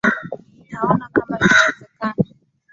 Nitaona kama itawezekana